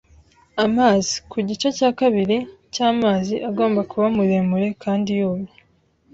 amazi. Ku gice cya kabiri cy'amazi agomba kuba muremure kandi yumye. ”